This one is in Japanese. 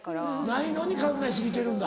ないのに考え過ぎてるんだ。